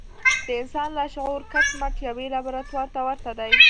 د انسان لاشعور کټ مټ يوې لابراتوار ته ورته دی.